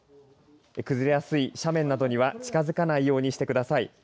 崩れやすい斜面などには近づかないようにしてください。